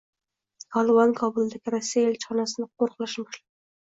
“Tolibon” Kobuldagi Rossiya elchixonasini qo‘riqlashni boshladi